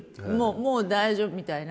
もう大丈夫」みたいな。